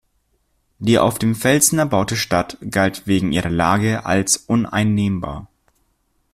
Die auf dem Felsen erbaute Stadt galt wegen ihrer Lage als uneinnehmbar.